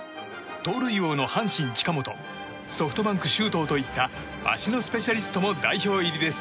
盗塁王の阪神、近本ソフトバンク、周東といった足のスペシャリストも代表入りです。